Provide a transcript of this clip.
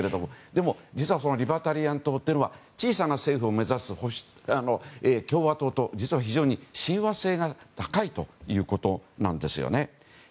でも実はリバタリアン党というのは小さな政府を目指す共和党と実は、非常に親和性が高いということなんですよね。